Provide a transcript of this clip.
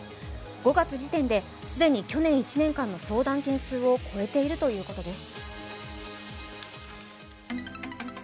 ５月時点で既に去年１年間の相談件数を超えているということです。